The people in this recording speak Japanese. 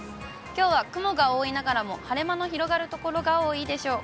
きょうは雲が多いながらも、晴れ間の広がる所が多いでしょう。